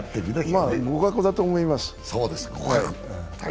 まぁ、互角だと思います。